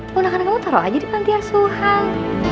ponakan kamu taro aja di pantai asuhan